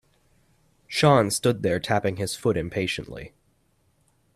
Sean stood there tapping his foot impatiently.